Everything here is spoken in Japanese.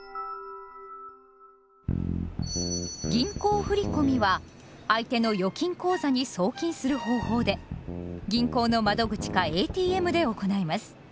「銀行振込」は相手の預金口座に送金する方法で銀行の窓口かＡＴＭで行います。